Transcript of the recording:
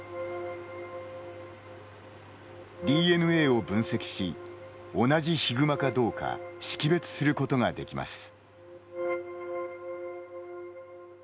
ＤＮＡを分析し同じヒグマかどうか識別することができます。